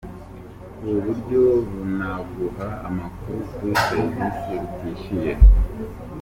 Ubu buryo bunaguha amakuru kuri serivisi utishyuye.